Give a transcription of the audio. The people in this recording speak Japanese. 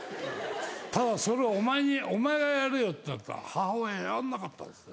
ただそれお前がやれよって言ったら母親やんなかったですね。